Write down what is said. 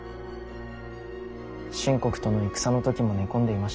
清国との戦の時も寝込んでいました。